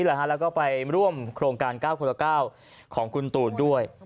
แล้วก็ไปร่วมโครงการ๙คนละ๙ของคุณตูนด้วย